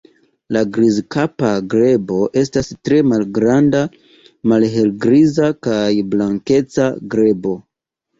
La Grizkapa grebo estas tre malgranda malhelgriza kaj blankeca grebo.